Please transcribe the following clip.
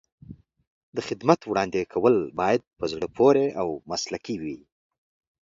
د خدمت وړاندې کول باید په زړه پورې او مسلکي وي.